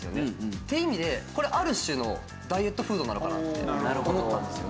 っていう意味でこれある種のダイエットフードなのかなって思ったんですよね。